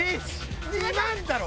２万だろ？